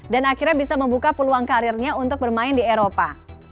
dan akhirnya bisa membuka peluang karirnya untuk bermain di eropa